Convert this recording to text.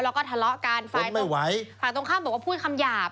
แล้วก็ทะเลาะกันฝั่งตรงไหวฝั่งตรงข้างบอกว่าพูดคำหยาบ